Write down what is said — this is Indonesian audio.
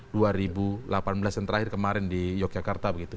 dan terakhir kemarin di yogyakarta